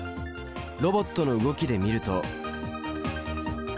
ロボットの動きで見ると。